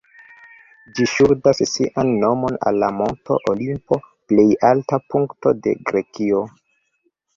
Ĝi ŝuldas sian nomon al la Monto Olimpo, plej alta punkto de Grekio.